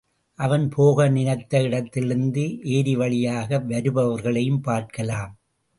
அவன் போக நினைத்த இடத்திலிருந்து ஏரிவழியாக வருபவர்களையும் பார்க்கலாம்.